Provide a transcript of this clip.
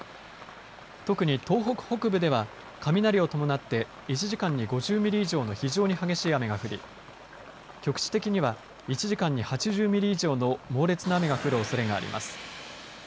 特に東北北部では雷を伴って１時間に５０ミリ以上の非常に激しい雨が降り局地的には１時間に８０ミリ以上の猛烈な雨が降るおそれがあります。